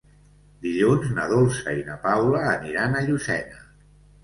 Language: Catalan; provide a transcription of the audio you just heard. Dilluns na Dolça i na Paula aniran a Llucena.